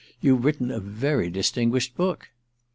You've written a very distinguished book."